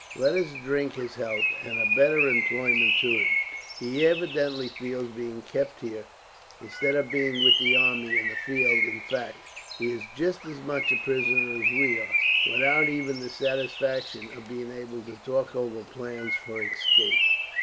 Let us drink his health, and a better employment to him. He evidently feels being kept here, instead of being with the army in the field. In fact, he is just as much a prisoner as we are, without even the satisfaction of being able to talk over plans for escape.